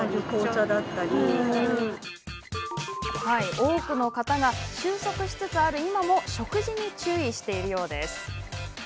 多くの方が、収束しつつある今も食事に注意しているようです。